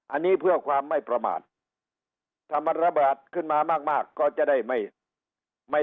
อันนี้เพื่อความไม่ประมาทถ้ามันระบาดขึ้นมามากก็จะได้ไม่ไม่